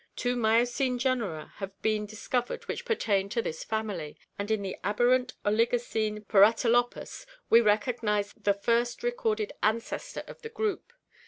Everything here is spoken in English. Two Miocene genera have been discovered which pertain to this family, and in the aberrant Oligocene Paratyhpus we recognize the first recorded ancestor of the group.